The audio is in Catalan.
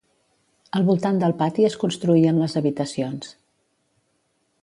Al voltant del pati es construïen les habitacions.